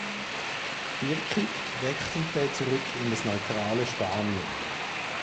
Birkigt wechselte zurück in das neutrale Spanien.